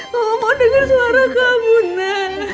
mama mau denger suara kamu ma